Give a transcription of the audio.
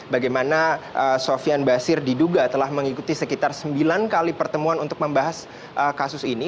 bagaimana sofian basir diduga telah mengikuti sekitar sembilan kali pertemuan untuk membahas kasus ini